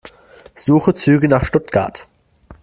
Suche Züge nach Stuttgart.